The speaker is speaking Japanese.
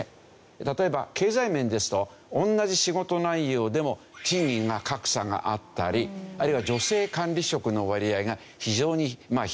例えば経済面ですと同じ仕事内容でも賃金が格差があったりあるいは女性管理職の割合が非常に低いという事ですよね。